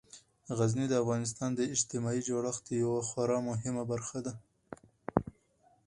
غزني د افغانستان د اجتماعي جوړښت یوه خورا مهمه برخه ده.